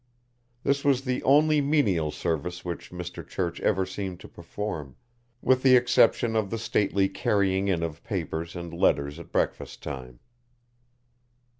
This was the only menial service which Mr. Church ever seemed to perform, with the exception of the stately carrying in of papers and letters at breakfast time.